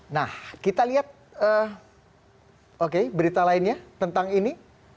nah kita lihat berita lainnya tentang ini